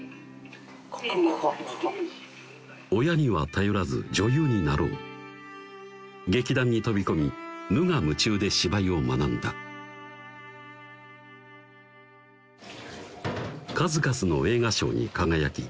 ここここここ親には頼らず女優になろう劇団に飛び込み無我夢中で芝居を学んだ数々の映画賞に輝き